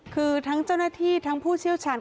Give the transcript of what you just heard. คือทั้งเจ้าหน้าที่ทั้งผู้เชี่ยวชาญ